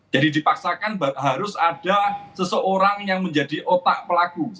jadi dipaksakan harus ada seseorang yang menjadi otak pelaku